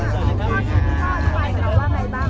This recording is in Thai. แม็กซ์ก็คือหนักที่สุดในชีวิตเลยจริง